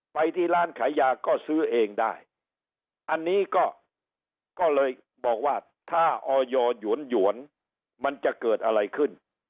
ไปที่ร้านขายยาก็ซื้อเองได้อันนี้ก็เลยบอกว่าถ้าออยวนหยวนมันจะเกิดอะไรขึ้น